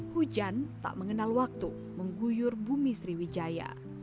hujan tak mengenal waktu mengguyur bumi sriwijaya